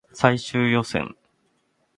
最終予選